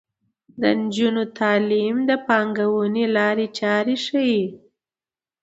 د نجونو تعلیم د پانګونې لارې چارې ښيي.